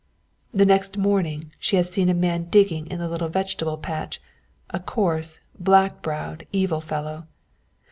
The next morning, she had seen a man digging in the little vegetable patch, a coarse, black browed, evil faced fellow.